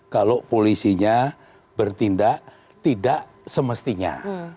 kalau polisinya bertindak tidak semestinya